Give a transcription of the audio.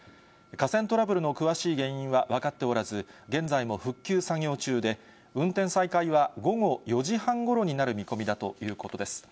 架線トラブルの詳しい原因は分かっておらず、現在も復旧作業中で、運転再開は午後４時半ごろになる見込みだということです。